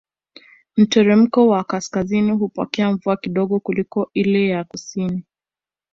Mteremko wa kaskazini hupokea mvua kidogo kuliko ile ya kusini